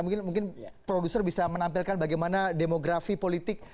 mungkin produser bisa menampilkan bagaimana demografi politik